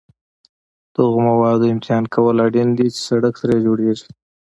د هغو موادو امتحان کول اړین دي چې سړک ترې جوړیږي